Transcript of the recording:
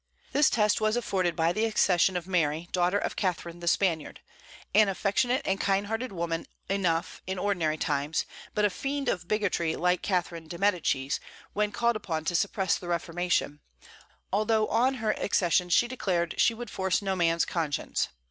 This test was afforded by the accession of Mary, daughter of Catharine the Spaniard, an affectionate and kind hearted woman enough in ordinary times, but a fiend of bigotry, like Catherine de' Medicis, when called upon to suppress the Reformation, although on her accession she declared that she would force no man's conscience.